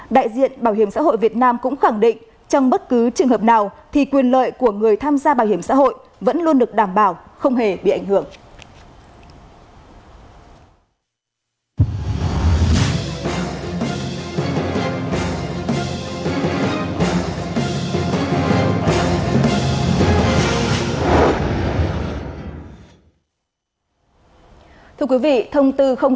đại diện bảo hiểm xã hội việt nam cũng khẳng định trong bất cứ trường hợp nào thì quyền lợi của người tham gia bảo hiểm xã hội vẫn luôn được đảm bảo không hề bị ảnh hưởng